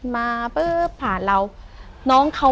ไม่กลัวเหรอ